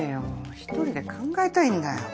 １人で考えたいんだよ。